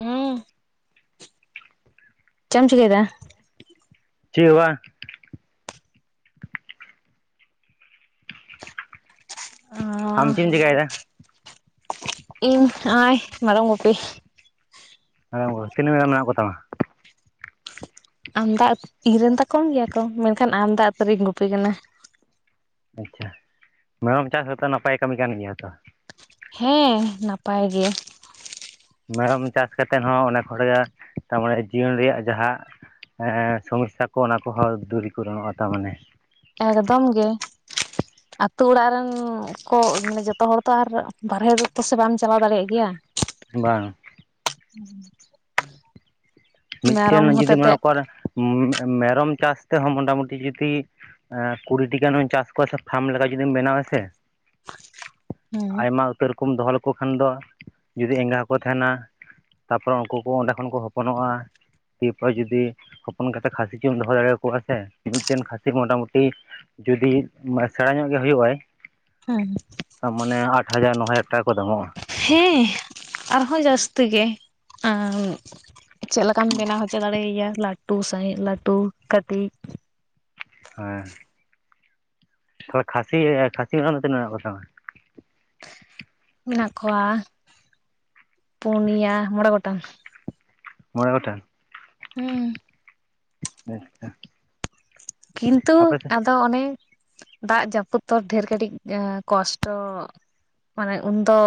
ᱦᱮᱸ ᱪᱮᱫ ᱮᱢ ᱪᱤᱠᱟᱹᱭᱮᱫᱟ ᱪᱮ ᱦᱚ ᱵᱟᱝ ᱟᱢ ᱪᱮᱢ ᱪᱤᱠᱟᱹᱭ ᱮᱫᱟ ᱤᱧ ᱦᱟᱸᱭ ᱢᱮᱨᱚᱢ ᱜᱩᱯᱤ [unintelligible] ᱛᱤᱱᱟᱹᱜ ᱢᱮᱱᱟᱜ ᱠᱚᱛᱟᱢᱟ ᱟᱢᱫᱟ ᱤᱧ ᱨᱮᱱ ᱛᱟ ᱠᱚᱢ ᱜᱮᱭᱟ ᱠᱚ ᱢᱮᱱᱠᱷᱟᱱ ᱟᱢᱫᱟ ᱩᱛᱟᱹᱨ ᱤᱧ ᱜᱩᱯᱤ ᱠᱟᱱᱟ ᱟᱪᱷᱟ ᱢᱮᱨᱚᱢ ᱪᱟᱥ ᱦᱚᱸᱛᱚ ᱱᱟᱯᱟᱭ ᱠᱟᱹᱢᱤ ᱠᱟᱱ ᱜᱮᱭᱟ ᱛᱚ ᱦᱮᱸ ᱱᱟᱯᱟᱭ ᱜᱮ ᱢᱮᱨᱚᱢ ᱪᱟᱥ ᱠᱟᱛᱮᱱ ᱦᱚᱸ ᱚᱱᱮᱠ [unintelligible] ᱦᱚᱲᱜᱮ ᱛᱟᱨᱢᱟᱱᱮ ᱡᱤᱭᱚᱱ ᱨᱮᱭᱟᱜ ᱡᱟᱦᱟ ᱮᱸ ᱥᱚᱢᱚᱥᱥᱟ ᱠᱚ ᱚᱱᱟ ᱠᱚᱦᱚᱸ ᱫᱩᱨᱤ ᱠᱚ ᱜᱟᱱᱚᱜᱼᱟ ᱛᱟᱨ ᱢᱟᱱᱮ ᱮᱠᱫᱚᱢ ᱜᱮ ᱟᱹᱛᱩ ᱚᱲᱟᱜ ᱨᱮᱱ ᱠᱚ ᱢᱟᱱᱮ ᱡᱚᱛᱚ ᱦᱚᱲ ᱛᱚ ᱟᱨ ᱵᱟᱨᱦᱮ ᱫᱚ ᱛᱟᱥᱮ ᱵᱟᱢ ᱪᱟᱞᱟᱣ ᱫᱟᱲᱮᱭᱟᱜ ᱜᱮᱭᱟ ᱵᱟᱝ ᱦᱮᱸ ᱢᱤᱫᱴᱮᱱ ᱡᱩᱫᱤ ᱢᱚᱱᱮ ᱠᱚ ᱢᱮᱨᱚᱢ ᱪᱟᱥ ᱛᱮᱦᱚᱸ ᱢᱳᱚᱴᱟᱢᱩᱴᱤ ᱡᱩᱫᱤ ᱠᱩᱲᱤᱴᱤ ᱜᱟᱱ ᱪᱟᱥ ᱠᱚᱣᱟ ᱥᱮ ᱯᱷᱟᱨᱢ ᱞᱮᱠᱟ ᱡᱩᱫᱤᱢ ᱵᱮᱱᱟᱣ ᱟ ᱥᱮ ᱟᱭᱢᱟ ᱩᱛᱟᱹᱨ ᱠᱩᱢ ᱫᱚᱦᱚ ᱞᱮᱠᱚ ᱠᱷᱟᱱ ᱫᱚ ᱡᱩᱫᱤ ᱮᱸᱜᱟ ᱦᱚᱸᱠᱚ ᱛᱟᱦᱮᱱᱟ ᱛᱟᱯᱚᱨᱮ ᱩᱱᱠᱩ ᱠᱚ ᱚᱸᱰᱮ ᱠᱷᱚᱱ ᱠᱚ ᱦᱚᱯᱚᱱᱚᱜᱼᱟ ᱛᱤᱯᱚᱨ ᱡᱩᱫᱤ ᱦᱚᱯᱚᱱ ᱠᱟᱛᱮᱮᱫ ᱠᱷᱟᱹᱥᱤ ᱪᱚᱢ ᱫᱚᱦᱚ ᱫᱟᱲᱮᱭᱟᱠᱚᱣᱟ ᱥᱮ ᱢᱤᱫᱴᱮᱱ ᱠᱷᱟᱹᱥᱤ ᱢᱚᱴᱟᱢᱩᱴᱤ ᱡᱩᱫᱤ ᱥᱮᱬᱟ ᱧᱚᱜ ᱜᱮ ᱦᱩᱭᱩᱜ ᱟᱭ ᱢᱟᱱᱮ ᱟᱴ ᱦᱟᱡᱟᱨ ᱱᱚ ᱦᱟᱡᱟᱨ ᱴᱟᱠᱟ ᱠᱚ ᱫᱟᱢᱚᱜᱼᱟ ᱦᱮᱸ ᱟᱨᱦᱚᱸ ᱡᱟᱹᱥᱛᱤ ᱜᱮ [unintelligible] ᱪᱮᱫ ᱞᱮᱠᱟᱢ ᱵᱮᱱᱟᱣ ᱦᱚᱪᱚ ᱫᱟᱲᱮᱭᱟᱭᱟ ᱞᱟᱹᱴᱩ ᱥᱟᱺᱦᱤᱡ ᱞᱟᱹᱴᱩ ᱠᱟᱹᱴᱤᱡ ᱦᱮᱸ ᱛᱟᱦᱚᱞᱮ ᱠᱷᱟᱥᱤ ᱠᱷᱟᱹᱥᱤ ᱨᱮᱱᱟᱜ ᱫᱚ ᱛᱤᱱᱟᱹᱜ ᱢᱮᱱᱟᱜ ᱠᱚ ᱛᱟᱢᱟ ᱢᱮᱱᱟᱜ ᱠᱚᱣᱟ ᱯᱩᱱᱭᱟ ᱢᱚᱬᱮ ᱜᱚᱴᱟᱝ ᱢᱚᱬᱮᱸ ᱜᱚᱴᱟᱝ ᱦᱮᱸ ᱟᱪᱪᱷᱟ ᱠᱤᱱᱛᱩ ᱟᱯᱮ ᱥᱮᱫ ᱟᱫᱚ ᱚᱱᱮ ᱫᱟᱜ ᱡᱟᱹᱯᱩᱫ ᱛᱚ ᱰᱷᱮᱨ ᱠᱟᱹᱴᱤᱡ ᱠᱚᱥᱴᱚ᱾ ᱢᱟᱱᱮ ᱩᱱᱫᱚ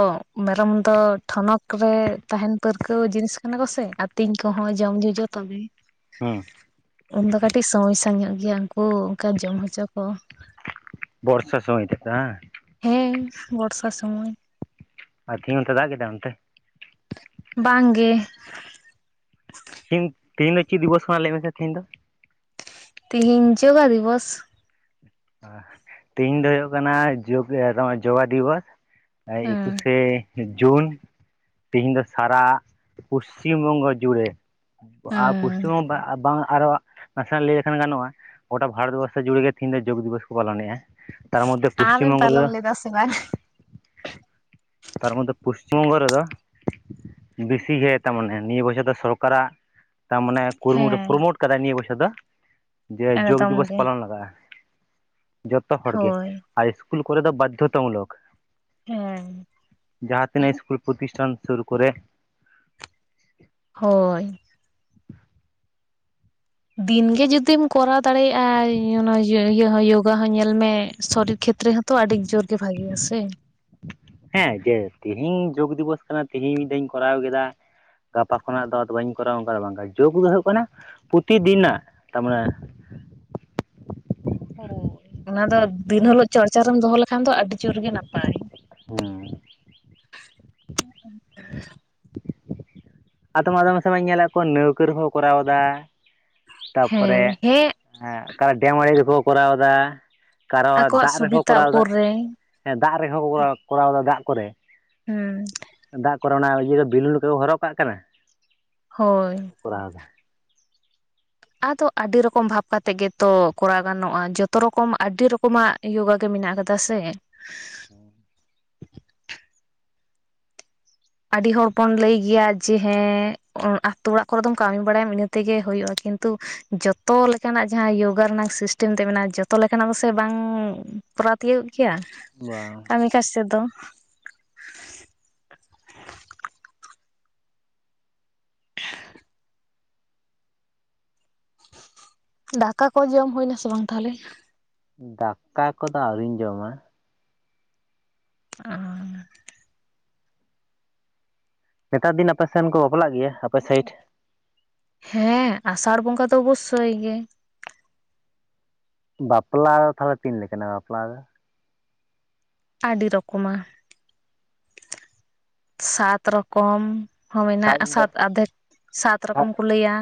ᱢᱮᱨᱚᱢ ᱫᱚ ᱴᱷᱚᱱᱚᱠ ᱨᱮ ᱛᱟᱦᱮᱸᱱ ᱯᱟᱹᱨᱠᱟᱹᱣ ᱡᱤᱱᱤᱥ ᱠᱟᱱᱟ ᱠᱚᱥᱮ ᱛᱤᱧ ᱠᱚᱦᱚᱸ ᱡᱚᱢᱧᱚ ᱛᱚᱵᱮ ᱦᱩᱸ ᱩᱱ ᱫᱚ ᱠᱟᱹᱴᱤᱡ ᱥᱚᱢᱚᱥᱥᱟ ᱧᱚᱜ ᱜᱮᱭᱟ ᱚ ᱚᱱᱠᱟ ᱡᱚᱢ ᱦᱚᱪᱚ ᱠᱚ ᱦ [unintelligible] ᱦᱮᱸ ᱵᱚᱨᱥᱟ ᱥᱚᱢᱚᱭ ᱟᱨ ᱛᱤᱦᱤᱧ ᱚᱱᱛᱮ ᱫᱟᱜ ᱠᱮᱫᱟᱭ ᱚᱱᱛᱮ? ᱵᱟᱝ ᱜᱮ ᱛᱮᱦᱮᱧ ᱛᱮᱦᱤᱧ ᱫᱚ ᱪᱮᱫ ᱫᱤᱵᱚᱥ ᱢᱟ ᱞᱟᱹᱭ ᱢᱮᱥᱮ ᱛᱮᱦᱤᱧ ᱫᱚ ᱛᱤᱦᱤᱧ ᱡᱳᱜᱟ ᱫᱤᱵᱚᱥ᱾ ᱛᱮᱦᱤᱧ ᱫᱚ ᱦᱩᱭᱩᱜ ᱠᱟᱱᱟ ᱡᱚᱜ ᱡᱳᱜᱟ ᱫᱤᱵᱚᱥ ᱦᱮᱸ ᱮᱠᱩᱥᱮ ᱡᱩᱱ ᱛᱮᱦᱮᱧ ᱫᱚ ᱥᱟᱨᱟ ᱯᱚᱥᱪᱤᱢ ᱵᱚᱝᱜᱚ ᱡᱩᱲᱮ ᱦᱮᱸ ᱯᱚᱥᱪᱤᱢ ᱵᱟᱝ [unintelligible] ᱟᱨᱚ ᱱᱟᱥᱮᱱᱟᱜ ᱞᱟᱹᱭ ᱞᱮᱠᱷᱟᱱ ᱜᱟᱱᱚᱜᱼᱟ ᱜᱚᱴᱟ ᱵᱷᱟᱨᱚᱛᱵᱚᱨᱥᱚ ᱡᱩᱲᱮᱜ ᱜᱮ ᱛᱮᱤᱦᱤᱧ ᱫᱚ ᱡᱳᱜᱽ ᱫᱤᱵᱚᱥ ᱠᱚ ᱯᱟᱞᱚᱱᱮᱫᱼᱟ᱾ ᱛᱟᱨ ᱢᱚᱫᱽᱷᱮ ᱯᱚᱥᱪᱤᱢ ᱟᱢᱮᱢ ᱵᱚᱝᱜᱚ ᱯᱟᱞᱚᱱ ᱨᱮᱫᱚ ᱞᱮᱫᱟ ᱥᱮ ᱵᱟᱝ ᱛᱟᱨ ᱢᱚᱫᱽᱫᱷᱮ ᱯᱚᱥᱪᱤᱢ ᱵᱚᱝᱜᱚ ᱨᱮᱫᱚ ᱵᱮᱥᱤ ᱜᱮ ᱛᱟ ᱢᱟᱱᱮ ᱱᱤᱭᱟᱹ ᱵᱚᱪᱷᱚᱨ ᱫᱚ ᱥᱚᱨᱠᱟᱨᱟᱜ ᱛᱟᱨ ᱢᱟᱱᱮ ᱠᱩᱨᱩᱢᱩᱴᱩ ᱦᱮᱸ ᱯᱨᱚᱢᱳᱴ ᱠᱟᱫᱟᱭ ᱱᱤᱭᱟᱹ ᱵᱚᱨᱥᱚ ᱫᱚ ᱡᱮ ᱡᱳᱜᱽ ᱮᱠᱫᱚᱢ ᱫᱤᱵᱚᱥ ᱜᱮ ᱯᱟᱞᱚᱱ ᱞᱟᱜᱟᱜᱼᱟ ᱡᱚᱛᱚ ᱦᱚᱲᱜᱮ ᱦᱳᱭ ᱟᱨ ᱤᱥᱠᱩᱞ ᱠᱚᱨᱮ ᱫᱚ ᱵᱟᱫᱽᱫᱷᱚᱛᱟᱢᱩᱞᱚᱠ᱾ ᱦᱮᱸ ᱡᱟᱦᱟᱸ ᱛᱤᱱᱟᱹᱜ ᱤᱥᱠᱩᱞ ᱯᱨᱚᱛᱤᱥᱴᱷᱟᱱ ᱥᱩᱨ ᱠᱚᱨᱮ ᱦᱳᱭ ᱫᱤᱱᱜᱮ ᱡᱩᱫᱤᱢ ᱠᱚᱨᱟᱣ ᱫᱟᱲᱮᱭᱟᱜᱼᱟ ᱤᱭᱟᱹ ᱡᱭᱳᱜᱟ ᱦᱚᱸ ᱧᱮᱞ ᱢᱮ ᱥᱚᱨᱤᱨ [unintelligible] ᱠᱷᱮᱛᱨᱮ ᱦᱚᱸᱛᱚ ᱟᱹᱰᱤ ᱡᱳᱨ ᱜᱮ ᱵᱷᱟᱜᱮᱭᱟ ᱥᱮ ᱦᱮᱸ ᱡᱮ ᱛᱮᱦᱤᱧ ᱡᱳᱜᱽ ᱫᱤᱵᱚᱥ ᱠᱟᱱᱟ ᱛᱮᱦᱤᱧ ᱢᱤᱫ ᱫᱷᱟᱣ ᱤᱧ ᱠᱚᱨᱟᱣ ᱠᱮᱫᱟ ᱜᱟᱯᱟ ᱠᱷᱚᱱᱟᱜ ᱫᱚᱫᱚ ᱵᱟᱹᱧ ᱠᱚᱨᱟᱣᱟ ᱚᱱᱠᱟ ᱫᱚ ᱵᱟᱝ ᱡᱳᱜᱽ ᱫᱚ ᱦᱩᱭᱩᱜ ᱠᱟᱱᱟ ᱯᱨᱚᱛᱤᱤᱫᱤᱱᱟᱜ ᱛᱟᱨᱢᱟᱱᱮ [inaudible] ᱦᱳᱭ ᱚᱱᱟ ᱫᱚ ᱫᱤᱱ ᱦᱤᱞᱚᱜ ᱪᱚᱨᱪᱟᱨ ᱨᱮᱢ ᱫᱚᱦᱚ ᱞᱮᱠᱷᱟᱱ ᱫᱚ ᱟᱹᱰᱤ ᱡᱩᱨ ᱜᱮ ᱱᱟᱯᱟᱭ᱾ ᱦᱩᱸ᱾ [inaudible] ᱟᱫᱚ ᱢᱟ ᱟᱫᱚᱢᱟᱥᱮ ᱢᱟ. ᱧ ᱧᱮᱞᱮᱫ ᱠᱚᱣᱟ ᱱᱟᱹᱣᱠᱟᱹ ᱨᱮᱦᱚᱸ ᱠᱚᱨᱟᱣ ᱮᱫᱟ᱾ ᱦᱮᱸ ᱛᱟᱯᱚᱨᱮ ᱦᱮᱸ ᱰᱮᱢ ᱟᱲᱮ ᱜᱮᱠᱚ ᱠᱚᱨᱟᱣ ᱮᱫᱟ᱾ ᱠᱟᱨᱣᱟ ᱟᱠᱚᱣᱟᱜ ᱫᱟᱜ ᱨᱮᱠᱚ ᱥᱩᱵᱤᱛᱟ ᱠᱚᱨᱟᱣᱫᱟ ᱩᱯᱚᱨ ᱨᱮ ᱦᱮᱸ ᱫᱟᱜ ᱨᱮᱦᱚᱸ ᱠᱚ ᱠᱚᱨᱟᱣᱫᱟ ᱫᱟᱜ ᱠᱚᱨᱮ᱾ ᱦᱮᱸ ᱫᱟᱜ ᱠᱚᱨᱮ ᱚᱱᱟ ᱤᱭᱟᱹ ᱵᱤᱞᱩᱱ ᱠᱚ ᱦᱚᱨᱚᱜ ᱠᱟᱜ ᱠᱟᱱᱟ᱾ ᱦᱳᱭ ᱟᱨ ᱠᱚ ᱠᱚᱨᱟᱣᱫᱟ᱾ [unintelligible] ᱢᱮᱱᱟᱜ ᱟᱠᱟᱫᱟ ᱥᱮ [inaudible] ᱟᱹᱰᱤ ᱦᱚᱲ ᱵᱚᱱ ᱞᱟᱹᱭ ᱜᱮᱭᱟ ᱡᱮ ᱦᱮᱸ ᱟ. ᱛᱩ ᱚᱲᱟᱜ ᱠᱚᱨᱮ ᱫᱚᱢ ᱠᱟᱹᱢᱤ ᱵᱟᱲᱟᱭᱟ ᱤᱱᱟᱹᱛᱮᱜᱮ ᱦᱩᱭᱩᱜᱼᱟ᱾ ᱠᱤᱱᱛᱩ ᱡᱚᱛᱚ ᱞᱮᱠᱟᱱᱟᱜ ᱡᱟᱸᱦᱟ ᱭᱚᱜᱟ ᱨᱮᱱᱟᱜ ᱥᱤᱥᱴᱟ. ᱢ ᱛᱮ ᱢᱮᱱᱟᱜᱼᱟ ᱡᱚᱛᱚ ᱞᱮᱠᱟᱱᱟᱜ ᱫᱚ ᱥᱮ ᱵᱟᱝ ᱵᱟᱝ [unintelligible] ᱫᱟᱠᱟ ᱠᱚ ᱡᱚᱢ ᱦᱩᱭ ᱱᱟ ᱥᱮ ᱵᱟᱝ ᱛᱟᱦᱚᱞᱮ? ᱫᱟᱠᱟ ᱠᱚᱫᱚ ᱟᱹᱣᱨᱤᱧ ᱡᱚᱢᱟ᱾ ᱟᱨ ᱱᱮᱛᱟᱨ ᱫᱤᱱ ᱟᱯᱮ ᱥᱮᱱ ᱠᱚ ᱵᱟᱯᱞᱟᱜ ᱜᱮᱭᱟ ᱟᱯᱮ ᱥᱟ. ᱭᱤᱰ? [unintelligible] ᱵᱟᱯᱞᱟ ᱫᱚ ᱛᱟᱦᱚᱞᱮ ᱛᱤᱱ ᱞᱮᱠᱟᱱᱟ ᱵᱟᱯᱞᱟ ᱫᱚ? ᱟᱹᱰᱤ ᱨᱚᱠᱚᱢᱟ ᱥᱟᱛ ᱨᱚᱠᱚᱢ। ᱦᱚᱸ ᱢᱮᱱᱟᱜ ᱥᱟᱨ ᱤᱧ ᱫᱚ ᱥᱟᱛ ᱟᱫᱷᱮᱠ ᱥᱟᱛ ᱥᱟᱨ ᱨᱚᱠᱚᱢ ᱠᱚ ᱞᱟᱹᱭᱟ᱾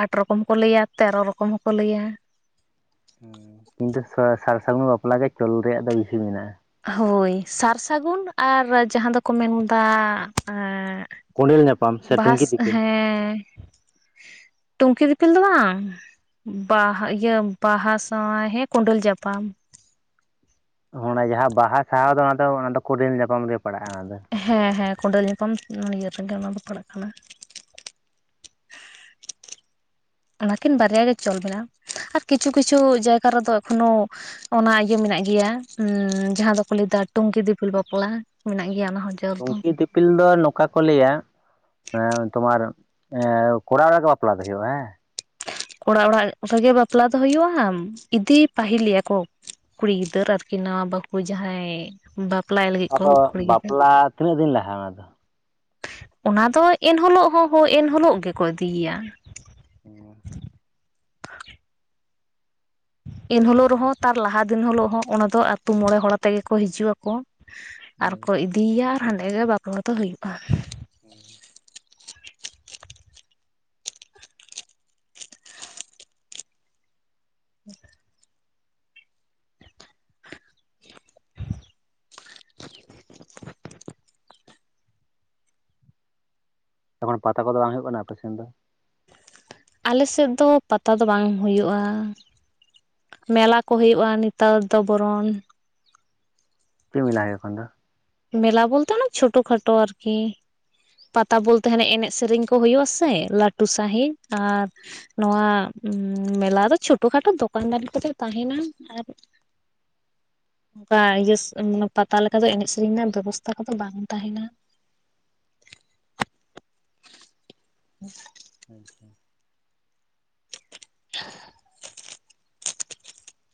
ᱟᱴ ᱨᱚᱠᱚᱢ ᱠᱚ ᱞᱟᱹᱭᱟ ᱛᱮᱨᱚ ᱨᱚᱠᱚᱢ ᱦᱚᱸᱠᱚ ᱞᱟᱹᱭᱟ᱾ ᱠᱤᱱᱛᱩ ᱥᱟᱨ ᱥᱟᱹᱜᱩᱱ ᱵᱟᱯᱞᱟ ᱜᱮ ᱪᱚᱞ ᱨᱮᱭᱟᱜ ᱫᱚ ᱵᱤᱥᱤ ᱢᱮᱱᱟᱜᱼᱟ᱾ ᱦᱚᱭ ᱥᱟᱨ ᱥᱟᱹᱜᱩᱱ ᱟᱨ ᱡᱟᱦᱟᱸ ᱫᱚᱠᱚ ᱢᱮᱱ ᱮᱫᱟ ᱠᱚᱸᱰᱮᱞ ᱧᱟᱯᱟᱢ ᱥᱮ ᱵᱟᱦᱟᱥ ᱴᱩᱝᱠᱤ ᱫᱤᱯᱤᱞ ᱦᱮᱸ ᱴᱩᱝᱠᱤ ᱫᱤᱯᱤᱞ ᱫᱚ ᱵᱟᱝ᱾ ᱵᱟᱦᱟ ᱤᱭᱟᱹ ᱵᱟᱦᱟ ᱥᱟᱶᱟ ᱦᱮᱸ ᱠᱩᱸᱰᱟᱹᱞ ᱧᱟᱯᱟᱢ᱾ [unintelligible] ᱠᱚᱸᱰᱮᱹᱞ ᱧᱟᱯᱟᱢ ᱤᱭᱟᱹ ᱨᱮᱜᱮ ᱚᱱᱟ ᱫᱚ ᱯᱟᱲᱟᱜ ᱠᱟᱱᱟ᱾ ᱚᱱᱟᱠᱤᱱ ᱵᱟᱨᱭᱟ ᱜᱮ ᱪᱚᱞ ᱢᱮᱱᱟᱜᱼᱟ ᱟᱨ ᱠᱤᱪᱷᱩ ᱠᱤᱪᱷᱩ ᱡᱟᱭᱜᱟ ᱨᱮᱫᱚ ᱮᱠᱷᱚᱱᱳ ᱚᱱᱟ ᱤᱭᱟᱹ ᱢᱮᱱᱟᱜᱼᱟ ᱢᱮᱱᱟᱜ ᱜᱮᱭᱟ ᱡᱟᱦᱟᱸ ᱫᱚᱠᱚ ᱞᱟᱹᱭᱫᱟ ᱴᱩᱝᱠᱤ ᱫᱤᱯᱤᱞ ᱵᱟᱯᱞᱟ ᱢᱮᱱᱟᱜ ᱜᱮᱭᱟ ᱚᱱᱟ ᱦᱚᱸ ᱡᱚᱞ ᱫᱚ ᱴᱩᱝᱠᱤ ᱫᱤᱯᱤᱞ ᱫᱚ ᱱᱚᱝᱠᱟ ᱠᱚ ᱞᱟᱹᱭᱟ ᱛᱚᱢᱟᱨ ᱮ ᱠᱚᱲᱟ ᱚᱲᱟᱜ ᱨᱮᱜᱮ ᱵᱟᱯᱞᱟ ᱫᱚ ᱦᱩᱭᱩᱜᱼᱟ ᱦᱮᱸ? ᱠᱚᱲᱟ ᱚᱲᱟᱜ ᱨᱮᱜᱮ ᱵᱟᱯᱞᱟ ᱫᱚ ᱦᱩᱭᱩᱜ ᱦᱟᱸᱜ ᱤᱫᱤ ᱯᱟ. ᱦᱤᱞ ᱮᱭᱟ ᱠᱚ᱾ ᱠᱩᱲᱤ ᱜᱤᱫᱟᱹᱨ ᱟᱨᱠᱤᱱ ᱱᱟᱣᱟ ᱵᱟ. ᱦᱩ ᱠᱩᱲᱤ ᱡᱟᱦᱟᱸᱭ ᱵᱟᱯ ᱟᱫᱚ ᱵᱟᱯᱞᱟ ᱛᱤᱱᱟ. ᱜ ᱫᱤᱱ ᱞᱟᱦᱟ ᱚᱱᱟ ᱫᱚ? ᱚᱱᱟ ᱫᱚ ᱮᱱᱦᱤᱞᱚᱜ ᱦᱚᱸ ᱦᱚᱸ ᱮᱱᱦᱤᱞᱚᱜ ᱜᱮ ᱠᱚ ᱤᱫᱤ ᱮᱭᱟ᱾ [unintelligible] [unintelligible] ᱮᱱ ᱦᱚᱞᱚᱜ ᱨᱮᱦᱚᱸ ᱛᱟᱨ ᱞᱟᱦᱟ ᱫᱤᱱ ᱦᱚᱞᱚᱜ ᱦᱚᱸ ᱚᱱᱟ ᱫᱚ ᱟ. ᱛᱩ ᱢᱚᱬᱮ ᱦᱚᱲ ᱟᱛᱮᱜ ᱜᱮᱠᱚ ᱦᱤᱡᱩᱜ ᱟᱠᱚ᱾ ᱟᱨ ᱠᱚ ᱤᱫᱤᱮᱭᱟ ᱦᱟᱸᱰᱮ ᱜᱮ ᱵᱟᱯᱞᱟ ᱫᱚ ᱦᱩᱭᱩᱜᱼᱟ᱾ ᱦᱩᱸ᱾ [unintelligible] [unintelligible] ᱮᱠᱷᱟᱱ ᱯᱟᱛᱟ ᱠᱚᱫᱚ ᱵᱟᱝ ᱦᱩᱭᱩᱜ ᱠᱟᱱᱟ ᱟᱯᱮ ᱥᱮᱱ ᱫᱚ? ᱟᱞᱮ ᱥᱮᱫ ᱫᱚ ᱯᱟᱛᱟ ᱫᱚ ᱵᱟᱝ ᱦᱩᱭᱩᱜᱼᱟ᱾ ᱢᱮᱞᱟ ᱠᱚ ᱦᱩᱭᱩᱜᱼᱟ ᱱᱮᱛᱟᱨ ᱫᱚ ᱵᱚᱨᱚᱱ᱾ ᱪᱮᱫ ᱢᱮᱞᱟ ᱦᱩᱭᱩᱜ-ᱟ ᱮᱠᱷᱟᱱ ᱫᱚ? ᱢᱮᱞᱟ ᱵᱚᱞᱛᱚ ᱱᱚ ᱪᱷᱳᱴᱳ ᱠᱷᱟᱴᱳ ᱟᱨᱠᱤ᱾ ᱯᱟᱛᱟ ᱵᱚᱞᱛᱮ ᱦᱟᱱᱮ ᱮᱱᱮᱡ ᱥᱮᱨᱮᱧ ᱠᱚ ᱦᱩᱭᱩᱜᱼᱟᱥᱮ ᱞᱟᱹᱴᱩ ᱥᱟᱺᱦᱤᱡ ᱟᱨ ᱱᱚᱣᱟ ᱦᱩᱸᱻ ᱢᱮᱞᱟ ᱫᱚ ᱪᱷᱳᱴᱳ-ᱠᱷᱟᱴᱳ ᱫᱚᱠᱟᱱ ᱫᱟᱱᱤ ᱠᱚᱜᱮ ᱛᱟᱦᱮᱱᱟ ᱟᱨ ᱚᱱᱠᱟ ᱤᱭᱟᱹ ᱢᱮ ᱯᱟᱛᱟ ᱞᱮᱠᱟ ᱫᱚ ᱮᱱᱮᱡ ᱥᱮ ᱨᱮᱱᱟᱜ ᱵᱮᱵᱚᱥᱛᱷᱟ ᱠᱚᱫᱚ ᱵᱟᱝ ᱛᱟᱦᱮᱱᱟ᱾ [unintelligible] ᱟᱪᱪᱷᱟ! [inaudible]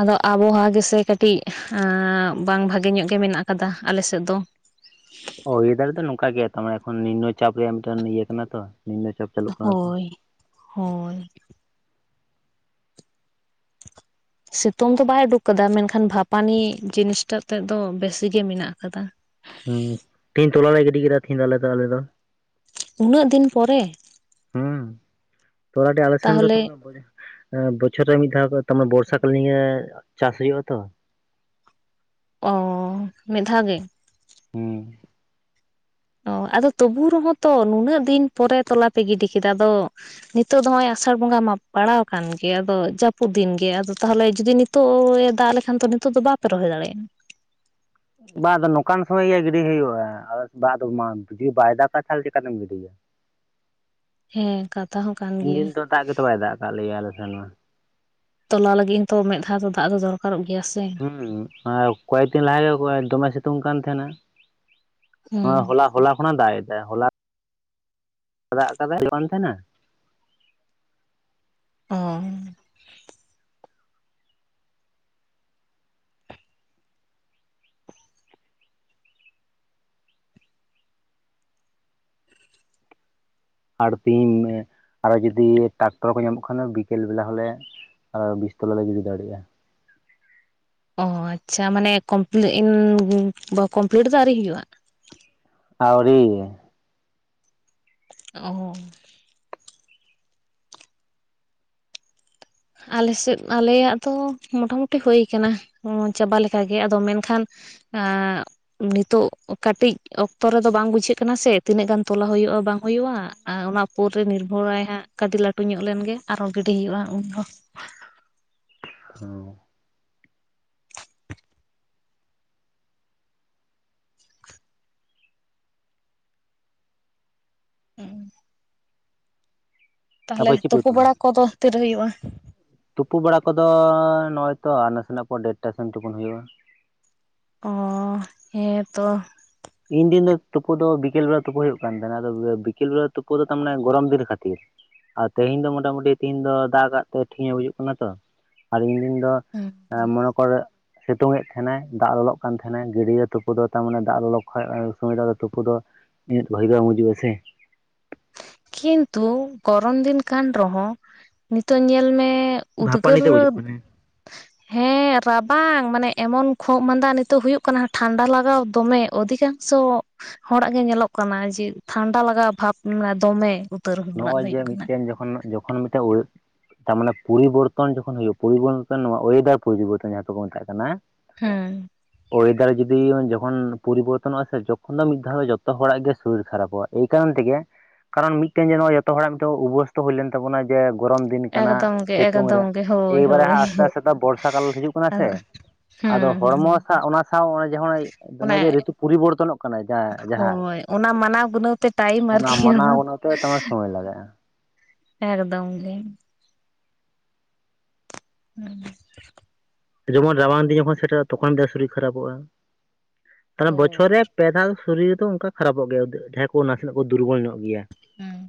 ᱟᱫᱚ ᱟᱵᱚᱦᱟᱣᱟ ᱜᱮᱥᱮ ᱠᱟᱹᱴᱤᱡ ᱵᱟᱝ ᱵᱷᱟᱜᱮ ᱧᱚᱜ ᱜᱮ ᱢᱮᱱᱟᱜ ᱟᱠᱟᱫᱟ ᱟᱞᱮ ᱥᱮᱫ ᱫᱚ ᱦᱚᱭ ᱱᱤᱫᱟᱨ ᱫᱚ ᱱᱚᱝᱠᱟ ᱜᱮᱭᱟ ᱱᱤᱢᱱᱚ ᱪᱟᱯ ᱨᱮᱭᱟᱜ ᱢᱤᱫᱴᱮᱱ ᱤᱭᱟᱹ ᱠᱟᱱᱟ ᱛᱚ ᱱᱤᱢᱱᱚ ᱪᱟᱯ ᱪᱟᱹᱞᱩᱜ ᱠᱟᱱᱟ ᱛᱚ ᱦᱳᱭ! ᱦᱳᱭ! ᱥᱤᱛᱩᱝ ᱫᱚ ᱵᱟᱭ ᱩᱰᱩᱠ ᱠᱟᱫᱟ ᱢᱮᱱᱠᱷᱟᱱ ᱵᱷᱟᱯᱟᱱᱤ ᱡᱤᱱᱤᱥᱴᱟᱜ ᱛᱮᱫ ᱫᱚ ᱵᱮᱥᱤᱜ ᱜᱮ ᱢᱮᱱᱟᱜ ᱟᱠᱟᱫᱟ᱾ ᱦᱚᱸ ᱛᱮᱦᱤᱧ ᱛᱚᱞᱟ ᱞᱮ ᱜᱤᱰᱤ ᱠᱮᱫᱟ ᱛᱤᱦᱤᱧ ᱫᱚ ᱟᱞᱮ ᱫᱚ ᱟᱞᱮ ᱫᱚ ᱩᱱᱟᱹᱜ ᱫᱤᱱ ᱯᱚᱨᱮ᱾ ᱛᱳᱞᱟᱴᱤ ᱟᱞᱚ ᱥᱮᱱ ᱫᱚ ᱛᱟᱦᱚᱞᱮ ᱵᱚᱪᱷᱚᱨ ᱨᱮ ᱢᱤᱫ ᱫᱷᱟᱣ ᱛᱟᱨᱢ ᱵᱚᱨᱥᱟ ᱠᱟᱞᱤᱱ ᱜᱮ ᱪᱟᱥ ᱦᱩᱭᱩᱜᱼᱟ ᱛᱚ᱾ ᱚ ᱢᱤᱫ ᱫᱷᱟᱣ ᱜᱮ? [inaudible] ᱚᱛ ᱟᱫᱚ ᱛᱚᱵᱩ ᱨᱮᱦᱚᱸ ᱛᱚ ᱱᱩᱱᱟᱹᱜ ᱫᱤᱱ ᱯᱚᱨᱮ ᱛᱚᱞᱟ ᱯᱮ ᱜᱤᱰᱤ ᱠᱮᱫᱟ ᱟᱫᱚ ᱱᱤᱛᱚᱜ ᱫᱚ ᱱᱚᱜ ᱚᱚᱭ ᱟᱥᱟᱲ ᱵᱚᱸᱜᱟ ᱯᱟᱲᱟᱣ ᱟᱠᱟᱱ ᱜᱮᱭᱟ ᱟᱫᱚ ᱡᱟᱹᱯᱩᱫ ᱫᱤᱱ ᱜᱮ ᱟᱫᱚ ᱛᱟᱦᱚᱞᱮ ᱡᱩᱫᱤ ᱱᱤᱛᱚᱜ ᱮ ᱫᱟᱜ ᱞᱮᱠᱷᱟᱱ ᱫᱚ ᱱᱤᱛᱚᱜ ᱫᱚ ᱵᱟᱯᱮ ᱨᱚᱦᱚᱭ ᱫᱟᱲᱮᱭᱟᱜᱼᱟ᱾ ᱵᱟᱝᱫᱚ ᱱᱚᱝᱠᱟᱱ ᱥᱚᱢᱚᱭ ᱜᱮ ᱜᱤᱰᱤ ᱦᱩᱭᱩᱜᱼᱟ᱾ ᱡᱩᱫᱤ ᱵᱟᱭ ᱫᱟᱜᱟ ᱛᱟᱦᱞᱮ ᱪᱤᱠᱠᱟᱛᱮᱢ ᱜᱤᱰᱤᱭᱟ [inaudible] ᱦᱮᱸ ᱠᱟᱛᱷᱟ ᱦᱚᱸ ᱠᱟᱱ ᱛᱤᱱ ᱜᱮᱭᱟ ᱫᱤᱱ ᱫᱚ ᱫᱟᱜ ᱜᱮᱛᱚ ᱵᱟᱭ ᱫᱟᱜ ᱠᱟᱜ ᱞᱮᱭᱟ ᱟᱞᱮ ᱥᱮᱱ ᱢᱟ᱾ ᱛᱚᱞᱟ ᱞᱟᱹᱜᱤᱫ ᱦᱚᱸ ᱛᱚ ᱢᱮᱫ ᱫᱷᱟᱣ ᱫᱚ ᱫᱟᱜ ᱫᱚᱨᱠᱟᱨᱚᱜ ᱜᱮᱭᱟ ᱥᱮ ᱦᱩᱸ ᱟᱨ ᱠᱚᱭᱮᱠ ᱫᱤᱱ ᱞᱟᱦᱟᱮ ᱫᱚᱢᱮ ᱥᱤᱛᱩᱝ ᱠᱟᱱ ᱛᱟᱦᱮᱱᱟ᱾ ᱦᱩᱸ ᱦᱚᱞᱟ ᱦᱚᱞᱟ ᱠᱷᱚᱱᱟᱜ ᱫᱟᱜ ᱮᱫᱟᱭ ᱦᱚᱞᱟ ᱫᱟᱜ ᱠᱟᱫᱟᱭ ᱵᱟᱝ ᱛᱟᱦᱮᱱᱟ ᱚ ᱟᱨ ᱛᱮᱤᱦᱤᱧ ᱟᱨᱚ ᱡᱩᱫᱤ ᱴᱟᱠᱴᱚᱨ ᱠᱚ ᱧᱟᱢᱚᱜ ᱠᱷᱟᱱ ᱵᱤᱠᱮᱞ ᱵᱮᱞᱟ ᱦᱚᱞᱮ ᱟᱨᱞᱮ ᱵᱤᱥᱛᱞᱟ ᱞᱮ ᱜᱤᱰᱤ ᱫᱟᱲᱮᱭᱟᱜᱼᱟ᱾ ᱚ ᱟᱪᱪᱷᱟ ᱢᱟᱱᱮ ᱠᱚᱢᱯ ᱠᱚᱢᱯᱞᱤᱴ ᱫᱚ ᱟᱹᱣᱨᱤ ᱦᱩᱭᱩᱜᱼᱟ? ᱟᱹᱣᱨᱤ! ᱚᱦ ᱟᱞᱮᱥᱮᱫ ᱟᱞᱮᱭᱟᱜ ᱫᱚ ᱢᱚᱴᱟᱢᱩᱴᱤ ᱦᱩᱭᱠᱟᱱᱟ ᱪᱟᱵᱟ ᱞᱮᱠᱟᱜᱮ ᱟᱫᱚ ᱢᱮᱱᱠᱷᱟᱱ ᱱᱤᱛᱳᱜ ᱠᱟᱹᱴᱤᱡ ᱚᱠᱛᱚ ᱨᱮᱫᱚ ᱵᱟᱝ ᱵᱩᱡᱷᱟᱹᱜ ᱠᱟᱱᱟ ᱥᱮ ᱛᱤᱱᱟᱹᱜ ᱜᱟᱱ ᱛᱚᱞᱟ ᱦᱩᱭᱩᱜᱼᱟ᱾ ᱵᱟᱝ ᱦᱩᱭᱩᱜᱼᱟ ᱟᱨ ᱚᱱᱟ ᱩᱯᱚᱨ ᱨᱮ ᱱᱤᱨᱵᱷᱚᱨᱟᱭ ᱦᱟᱸᱜ ᱠᱟᱹᱴ ᱞᱟᱹᱴᱩ ᱧᱚᱜ ᱞᱮᱱᱜᱮ ᱟᱨᱦᱚᱸ ᱜᱤᱰᱤ ᱦᱩᱭᱩᱜᱼᱟ ᱩᱱ ᱦᱚᱸ [inaudible] ᱦᱚ ᱦᱮᱸ ᱛᱟᱦᱚᱞᱮ ᱛᱟᱯᱚᱨ ᱪᱮᱫ ᱯᱮ ᱛᱩᱯᱩ ᱩᱛᱩ ᱵᱟᱲᱟ ᱞᱮᱫᱟ ᱠᱚᱫᱚ ᱛᱤᱨᱮ ᱦᱩᱭᱩᱜᱼᱟ? ᱛᱩᱯᱩ ᱵᱟᱲᱟ ᱠᱚᱫᱚ ᱱᱚᱭᱼᱚᱭ ᱛᱚ ᱟᱨ ᱱᱟᱥᱮᱱᱟᱜ ᱯᱚᱨ ᱰᱮᱴᱴᱟ ᱥᱮᱱ ᱛᱩᱯᱩᱱ ᱦᱩᱭᱩᱜᱼᱟ᱾ ᱚ ᱦᱮᱸ ᱛᱚ! ᱤᱧ ᱫᱤᱱ ᱫᱚ ᱛᱩᱯᱩ ᱫᱚ ᱵᱤᱠᱮᱞ ᱵᱮᱲᱟ ᱛᱩᱯᱩ ᱦᱩᱭᱩᱜ ᱠᱟᱱ ᱛᱱᱟ ᱟ ᱵᱤᱠᱮᱞ ᱵᱮ ᱛᱩᱯᱩ ᱫᱚ ᱛᱟᱨᱟᱱᱮ ᱜᱚᱨᱚᱢ ᱫᱤᱱ ᱠᱷᱟᱹᱛᱤᱨ ᱟᱨ ᱛᱮᱦᱮᱧ ᱫᱚ ᱢᱚᱴᱟᱟᱢᱴᱤ ᱛᱮᱦᱤᱧ ᱫᱚ ᱫᱟᱜ ᱠᱟᱜ ᱛᱮ ᱴᱷᱤᱠᱮ ᱵᱩᱡᱩᱜ ᱠᱟᱱᱟ ᱛᱚ ᱟᱨ ᱤᱧ ᱫᱤᱱ ᱦᱮᱸ ᱢᱚᱱᱮ ᱠᱚᱨ ᱥᱤᱛᱩᱝ ᱮ ᱛᱟᱦᱮᱸᱱᱟᱭ ᱫᱟᱜ ᱞᱚᱞᱚᱜ ᱠᱟᱱ ᱛᱟᱦᱮᱸᱱᱟᱭ ᱜᱟᱹᱰᱭᱟᱹ ᱛᱩᱯᱫ ᱫᱚ ᱛᱟᱨ ᱢᱟᱱᱮ ᱫᱟᱜ ᱞᱚᱞᱚ ᱥᱚᱢᱚᱭ ᱫᱚ ᱟ ᱛᱩᱯᱩ ᱫᱚ ᱤᱱᱟᱹ ᱵᱷᱟᱹᱜᱤ ᱫᱚ ᱵᱩᱡᱩᱜ ᱟᱥᱮ ᱠᱤᱱᱛᱩ ᱜᱚᱨᱚᱢ ᱫᱤᱱ ᱠᱟᱱ ᱨᱮᱦᱚᱸ ᱱᱤᱛᱚᱜ ᱧᱮᱞ ᱢᱮ ᱩᱫᱽᱜᱟᱹᱨ ᱵᱷᱟᱯᱟᱱᱤ ᱛᱮ ᱵᱩᱡᱩᱜ ᱠᱟᱱᱟ ᱦᱮᱸ ᱵᱟᱝ ᱢᱟᱱᱮ ᱮᱢᱚᱱ ᱠᱷᱩᱜ ᱢᱟᱸᱫᱟ ᱱᱤᱛᱚᱜ ᱦᱩᱭᱩᱜ ᱠᱟᱱᱟ ᱴᱷᱟᱱᱰᱟ ᱞᱟᱜᱟᱣ ᱫᱚᱢᱮ ᱚᱫᱷᱤᱠᱟᱝᱥᱚ ᱦᱚᱲᱟᱜ ᱜᱮ ᱧᱮᱞᱚᱜ ᱠᱟᱱᱟ ᱡᱮ ᱴᱷᱟᱱᱰᱟ ᱞᱟᱜᱟᱣ ᱵᱷᱟᱵᱽ ᱢᱟᱱᱮ ᱫᱚᱢᱮ ᱩᱛᱟᱹᱨ ᱦᱚᱲᱟᱜ ᱱᱚᱭᱼᱚᱭ ᱡᱮ ᱦᱩᱭᱩᱜ ᱠᱟᱱᱟ ᱢᱤᱫᱴᱮᱱ ᱡᱚᱠᱷᱚᱱ ᱡᱚᱠᱷᱚᱱ ᱢᱤᱫᱴᱮᱱ ᱛᱟᱨᱢᱟᱱᱮ ᱯᱚᱨᱤᱵᱚᱨᱛᱚᱱ ᱡᱚᱠᱷᱚᱱ ᱦᱩᱭᱩᱜᱼᱟ ᱯᱚᱨᱤᱵᱚᱨᱛᱚᱱ ᱱᱚᱣᱟ ᱚᱭᱮᱫᱟᱨ ᱯᱚᱨᱤᱵᱚᱨᱛᱚᱱ ᱡᱟᱦᱟᱸ ᱫᱚᱠᱚ ᱢᱮᱛᱟᱜ ᱠᱟᱱᱟ ᱦᱮᱸ ᱚᱭᱮᱫᱟᱨ ᱡᱩᱫᱤ ᱡᱚᱠᱷᱚᱱ ᱯᱚᱨᱤᱵᱚᱨᱛᱚᱱᱚᱜᱼᱟ ᱥᱮ ᱡᱚᱠᱷᱚᱱ ᱫᱚ ᱢᱤᱫ ᱫᱷᱟᱣ ᱫᱚ ᱡᱚᱛᱚ ᱦᱚᱲᱟᱜ ᱜᱮ ᱥᱚᱨᱤᱨ ᱠᱷᱟᱨᱟᱯᱚᱜᱼᱟ ᱮᱭ ᱠᱟᱨᱚᱱ ᱛᱮᱜᱮ ᱠᱟᱨᱚᱱ ᱢᱤᱫᱴᱮᱱ ᱡᱮ ᱱᱚᱣᱟ ᱡᱚᱛᱚ ᱦᱚᱲᱟᱜ ᱢᱤᱫᱴᱮᱱ ᱩᱵᱚᱹᱥᱛᱚ ᱦᱩᱭ ᱞᱮᱱ ᱛᱟᱵᱚᱱᱟ ᱡᱮ ᱜᱚᱨᱚᱢ ᱫᱤᱱ ᱠᱟᱱᱟ ᱮᱠᱫᱚᱢ ᱜᱮ ᱥᱤᱛᱩᱝ ᱨᱮ ᱮᱠᱫᱚᱢ ᱜᱮ ᱦᱳᱭ ᱮᱵᱟᱨᱮ ᱦᱳᱭ ᱦᱟᱸᱜ ᱟᱥᱛᱮ ᱟᱥᱛᱮ ᱛᱮ ᱵᱚᱨᱥᱟ ᱠᱟᱞ ᱦᱤᱡᱩᱜ ᱠᱟᱱᱟ ᱥᱮ ᱟᱫᱚ ᱦᱮᱸ ᱟᱫᱚ ᱦᱮᱸ ᱦᱚᱲᱢᱚ ᱥᱟᱶ ᱚᱱᱟ ᱥᱟᱶ ᱚᱱᱮ ᱡᱟᱦᱟᱸᱮᱚᱱ ᱚᱱᱟ ᱱᱚᱜᱼᱚᱭ ᱡᱮ ᱨᱤᱛᱩ ᱯᱚᱨᱤᱵᱚᱨᱛᱚᱱᱚᱜ ᱠᱟᱱᱟ ᱡᱟᱦᱟ ᱡᱟᱦᱟᱸ ᱦᱳᱭ ᱚᱱᱟ ᱢᱟᱱᱟᱣ ᱜᱩᱱᱟᱹᱣ ᱛᱮ ᱴᱟᱭᱤᱢ ᱚᱱᱟ ᱟᱨᱠᱤ ᱢᱟᱱᱟᱣᱛᱮ ᱛᱟᱢᱟᱨ ᱥᱚᱢᱚᱭ ᱞᱟᱜᱟᱜᱼᱟ ᱮᱠᱫᱚᱢ ᱜᱮ ᱦᱮᱸ ᱡᱮᱢᱚᱱ ᱨᱟᱵᱟᱝ ᱫᱤᱱ ᱡᱚᱠᱷᱚᱱ ᱥᱮᱴᱮᱨᱚᱜᱼᱟ ᱛᱚᱠᱷᱚᱱ ᱨᱮᱭᱟᱜ ᱥᱚᱨᱤᱨ ᱠᱷᱟᱨᱟᱯᱚᱜᱼᱟ ᱛᱟᱦᱮ ᱵᱚᱪᱷᱚᱨ ᱦᱳᱭ ᱨᱮ ᱯᱮ ᱫᱷᱟ ᱥᱚᱨᱤᱨ ᱫᱚ ᱚᱱᱠᱟ ᱠᱷᱟᱨᱟᱯᱚᱜ ᱜᱮᱭᱟ ᱡᱟᱦᱟᱸᱭ ᱠᱚ ᱱᱟᱥᱮᱱᱟᱜ ᱠᱚ ᱫᱩᱨᱵᱚᱞ ᱧᱚᱜ ᱜᱮᱭᱟ ᱦᱮᱸ